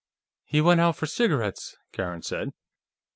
"He went out for cigarettes," Karen said.